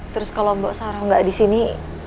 terus kalau mbak saroh gak disini